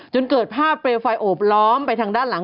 จนเกิดภาพเปลวไฟโอบล้อมไปทางด้านหลัง